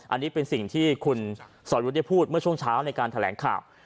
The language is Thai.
อันนี้เป็นสิ่งที่คุณสอยุทธ์ได้พูดเมื่อช่วงเช้าในการแถลงข่าว